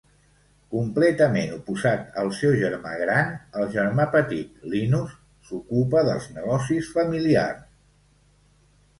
Completament oposat al seu germà gran, el germà petit Linus s'ocupa dels negocis familiars.